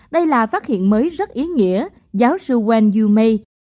đây là phát hiện mới rất ý nghĩa giáo sư wen yu mei